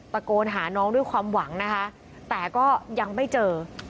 ตะโกนหาน้องด้วยความหวังนะคะแต่ก็ยังไม่เจอ